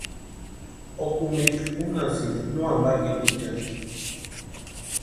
Okumichu unhasïnti no ampakitichani.